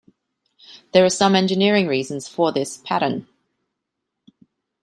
There are some engineering reasons for this pattern.